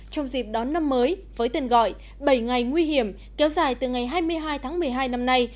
trong dịp đón năm mới với tên gọi bảy ngày nguy hiểm kéo dài từ ngày hai mươi hai tháng một mươi hai năm nay